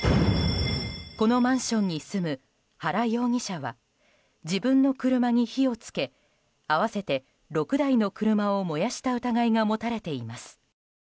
このマンションに住む原容疑者は自分の車に火を付け合わせて６台の車を燃やした疑いが持たれています。